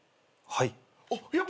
はい。